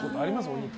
お肉。